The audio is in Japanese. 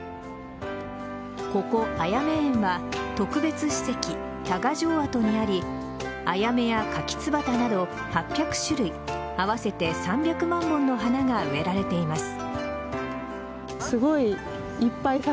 ここ、あやめ園は特別史跡・多賀城跡にありアヤメやカキツバタなど８００種類合わせて３００万本の花が植えられています。